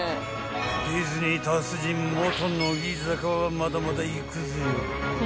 ［ディズニー達人元乃木坂はまだまだいくぜ！］